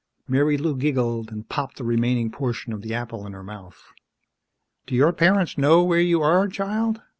Marilou giggled and popped the remaining portion of the apple in her mouth. "Do your parents know where you are, child?"